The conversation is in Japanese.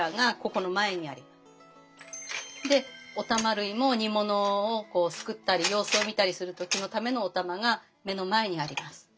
でおたま類も煮物をこうすくったり様子を見たりする時のためのおたまが目の前にあります。